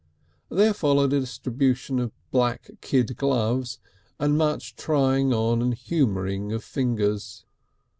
There followed a distribution of black kid gloves, and much trying on and humouring of fingers.